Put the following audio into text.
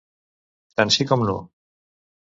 Tant sí com no.